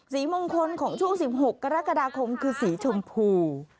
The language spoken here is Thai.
สีมงคลของช่วง๑๖กรกฎาคมคือสีชมพู